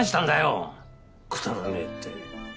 くだらねえって。